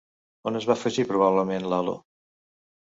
On es va afegir probablement l'halo?